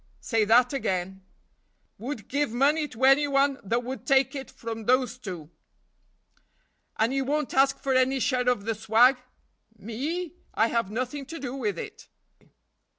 "Say that again." "Would give money to any one that would take it from those two." "And you won't ask for any share of the swag?" "Me? I have nothing to do with it."